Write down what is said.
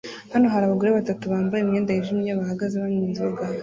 Hano hari abagore batatu bambaye imyenda yijimye bahagaze banywa inzoga